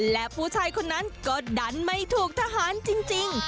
และผู้ชายคนนั้นก็ดันไม่ถูกทหารจริง